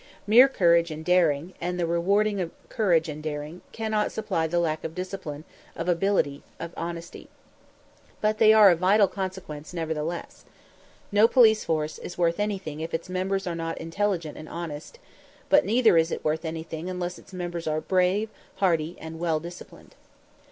Mere courage and daring, and the rewarding of courage and daring, cannot supply the lack of discipline, of ability, of honesty. But they are of vital consequence, nevertheless. No police force is worth anything if its members are not intelligent and honest; but neither is it worth anything unless its members are brave, hardy, and well disciplined.